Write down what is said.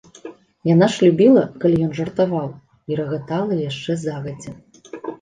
Яна ж любіла, калі ён жартаваў, і рагатала яшчэ загадзя.